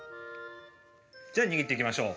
じゃあ握っていきましょう。